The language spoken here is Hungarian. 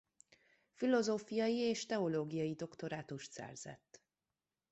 Filozófiai és teológiai doktorátust szerzett.